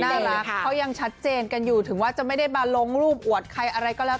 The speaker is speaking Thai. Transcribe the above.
น่ารักเขายังชัดเจนกันอยู่ถึงว่าจะไม่ได้มาลงรูปอวดใครอะไรก็แล้ว